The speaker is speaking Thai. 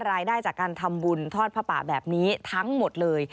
รายได้จากการทำบุญทอดผ้าป่าแบบนี้ทั้งหมดเลย